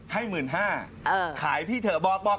ให้๑๕๐๐บาทขายพี่เถอะบอก